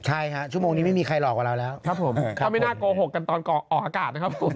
ตอนนี้ไม่มีใครหลอกกว่าเราแล้วครับผมครับผมเอาไม่น่าโกหกกันตอนก่อนออกอากาศนะครับผม